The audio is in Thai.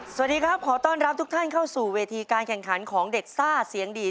สวัสดีครับขอต้อนรับทุกท่านเข้าสู่เวทีการแข่งขันของเด็กซ่าเสียงดี